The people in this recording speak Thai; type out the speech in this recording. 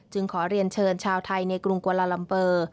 ขอเรียนเชิญชาวไทยในกรุงกวาลาลัมเปอร์